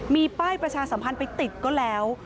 มีป้ายประชาสัมพันธ์ไปติดก็แล้ว